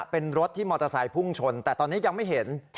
เป็นรถที่มอเตอร์ไซค์พุ่งชนแต่ตอนนี้ยังไม่เห็น